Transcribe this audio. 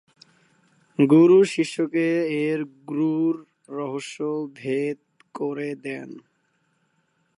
গুরু শিষ্যকে এর গূঢ় রহস্য ভেদ করে দেন।